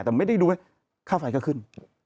แต่ไม่ได้ดูไว้ค่าไฟก็ขึ้น